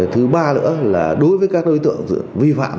thứ ba nữa là đối với các đối tượng vi phạm